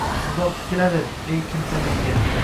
Uzoq tikilaver ey kimsa menga